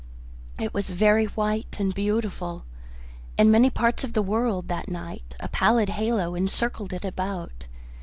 It was very white and beautiful. In many parts of the world that night a pallid halo encircled it about.